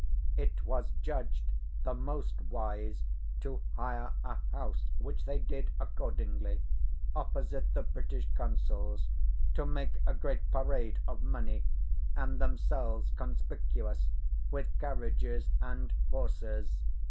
It was judged the most wise to hire a house, which they did accordingly, opposite the British Consul's, to make a great parade of money, and themselves conspicuous with carriages and horses.